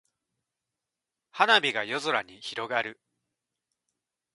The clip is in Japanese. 花火が夜空に広がる。